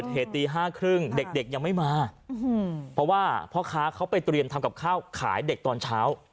เพราะว่าพ่อค้าเขาไปเตรียมทำกับข้าวขายเด็กตอนเช้า